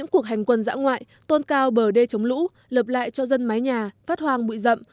ngoài tôn cao bờ đê chống lũ lập lại cho dân mái nhà phát hoàng bụi rậm